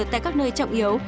tại các nơi trọng yếu